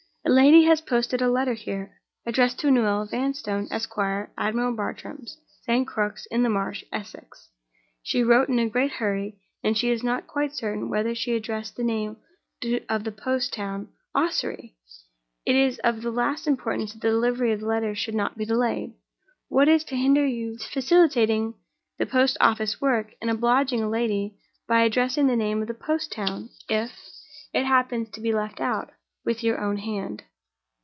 A lady has posted a letter here, addressed to 'Noel Vanstone, Esq., Admiral Bartram's, St. Crux in the Marsh, Essex.' She wrote in a great hurry, and she is not quite certain whether she added the name of the post town, 'Ossory.' It is of the last importance that the delivery of the letter should not be delayed. What is to hinder your facilitating the post office work, and obliging a lady, by adding the name of the post town (if it happens to be left out), with your own hand?